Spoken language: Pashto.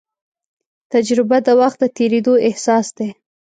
تجربه د وخت د تېرېدو احساس دی.